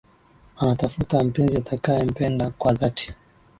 Anatafuta mpenzi atakaye mpenda kwa dhati.